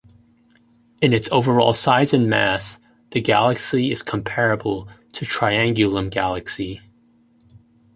In its overall size and mass, the galaxy is comparable to Triangulum Galaxy.